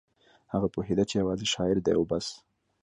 هغه پوهېده چې یوازې شاعر دی او بس